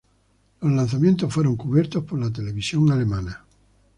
Los lanzamientos fueron cubiertos por la televisión alemana.